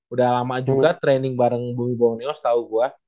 udah lama juga training bareng bumi bawoneo setau gue